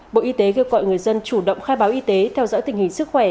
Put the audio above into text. bộ y tế kêu gọi người dân chủ động khai báo y tế theo dõi tình hình sức khỏe